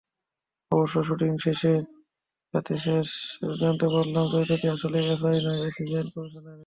অবশ্য শুটিং শেষে রাতে জানতে পারলাম, চরিত্রটি আসলে এসআই নয়, অ্যাসিস্ট্যান্ট কমিশনারের।